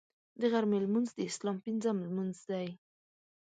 د غرمې لمونځ د اسلام پنځم لمونځ دی